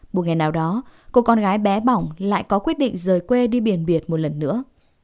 một ngày nào đó cô con gái bé bỏng lại có quyết định rời quê đi biển biệt một lần nữa